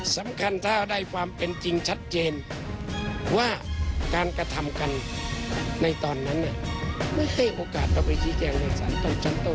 สำคัญถ้าได้ความเป็นจริงชัดเจนว่าการกระทำกันในตอนนั้นเนี่ยไม่ใช่โอกาสเราไปชี้แจงในสารต้นชั้นต้น